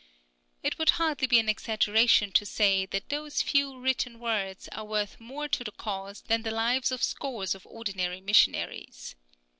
It would hardly be an exaggeration to say that those few written words are worth more to the cause than the lives of scores of ordinary missionaries.